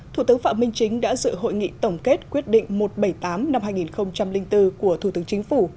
thủ tướng phạm minh chính đã dự hội nghị tổng kết quyết định một trăm bảy mươi tám năm hai nghìn bốn của thủ tướng chính phủ